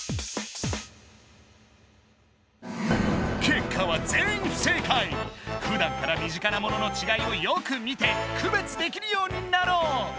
結果はふだんから身近なもののちがいをよく見て区別できるようになろう！